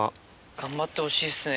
頑張ってほしいですね